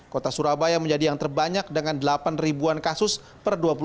kota surabaya menjadi yang terbanyak dengan delapan ribuan kasus per dua puluh empat